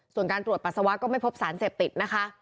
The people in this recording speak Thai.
ส่วนการตรวจปัสสาวะก็ไม่พบสารเสพติดนะคะ